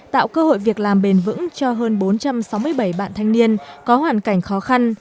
tạo cơ hội việc làm bền vững cho hơn bốn trăm sáu mươi bảy bạn thanh niên có hoàn cảnh khó khăn